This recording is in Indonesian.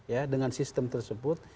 ya dengan sistem tersebut